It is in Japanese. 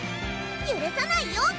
ゆるさないよ！